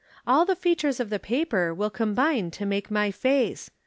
All the features of the paper will combine to make my face.